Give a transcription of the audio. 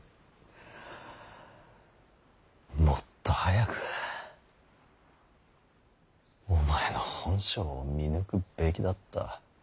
もっと早くお前の本性を見抜くべきだった。